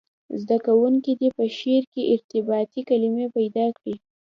زده کوونکي دې په شعر کې ارتباطي کلمي پیدا کړي.